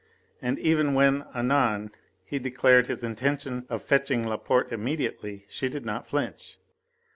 And even when anon he declared his intention of fetching Laporte immediately, she did not flinch.